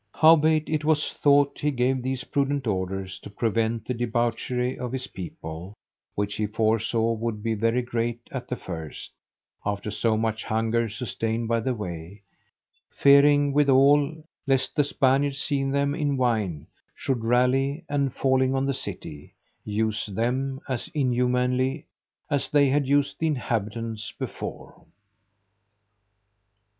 Howbeit, it was thought he gave these prudent orders to prevent the debauchery of his people, which he foresaw would be very great at the first, after so much hunger sustained by the way; fearing, withal, lest the Spaniards, seeing them in wine, should rally, and, falling on the city, use them as inhumanly as they had used the inhabitants before.